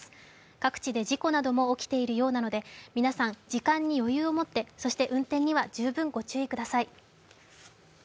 各地で事故なども起きているようなので、皆さん時間に余裕を持ってそして運転には十分ご注意ください。